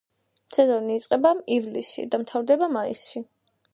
სეზონი იწყება ივლისში და მთავრდება მაისში.